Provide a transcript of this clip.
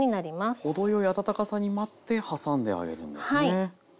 程よい温かさに待って挟んであげるんですね。